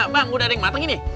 bang udah ada yang matang ini